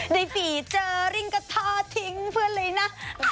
ดีเจอริ่งก็ทอดทิ้งเพื่อนเลยนะ